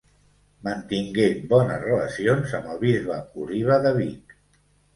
Mantingué bones relacions amb el bisbe Oliba de Vic.